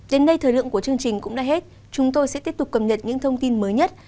đến đây thời lượng của chương trình cũng đã hết chúng tôi sẽ tiếp tục cập nhật những thông tin mới nhất